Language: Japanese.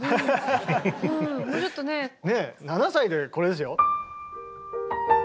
ねえ７歳でこれですよ。